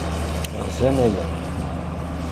Gzan aya?